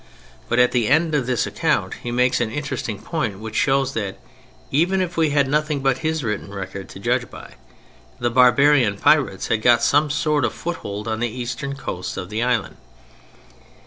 But at the end of this account he makes an interesting point which shows that—even if we had nothing but his written record to judge by—the barbarian pirates had got some sort of foothold on the eastern coasts of the island.